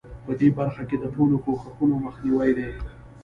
په دې برخه کې د ټولو کوښښونو مخنیوی دی.